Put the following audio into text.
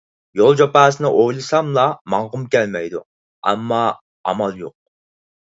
يول جاپاسىنى ئويلىساملا ماڭغۇم كەلمەيدۇ. ئەمما ئامال يوق.